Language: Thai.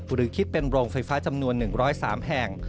หรือคิดเป็นโรงไฟฟ้าจำนวน๑๐๓แห่ง